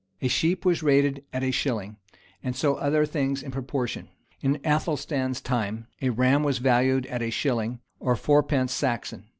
A sheep was rated at a shilling, and so of other things in proportion. In Athelstan's time, a ram was valued at a shilling, or fourpence Saxon.